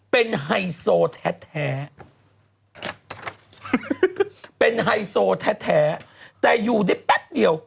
เป็นไฮโซแท้เป็นไฮโซแท้แต่อยู่ได้แป๊บเดียว